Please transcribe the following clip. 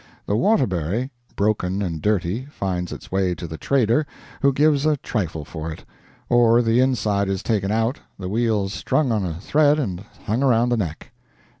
The Waterbury, broken and dirty, finds its way to the trader, who gives a trifle for it; or the inside is taken out, the wheels strung on a thread and hung round the neck.